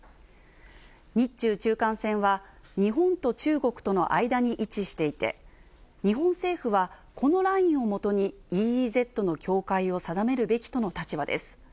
日中中間線は、日本と中国との間に位置していて、日本政府は、このラインをもとにＥＥＺの境界を定めるべきとの立場です。